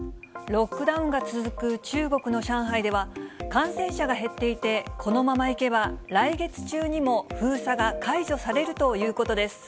ロックダウンが続く中国の上海では、感染者が減っていて、このままいけば、来月中にも封鎖が解除されるということです。